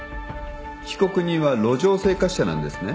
被告人は路上生活者なんですね。